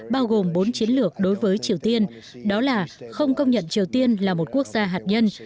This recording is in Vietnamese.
bao gồm bốn chiến lược đối với triều tiên đó là không công nhận triều tiên là một quốc gia hạt nhân